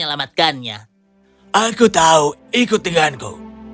aku tahu ikut denganku